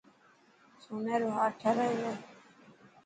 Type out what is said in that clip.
سوني رو هار ٺارايو هي.